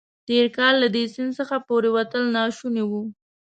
تېر کال له دې سیند څخه پورېوتل ناشوني وو.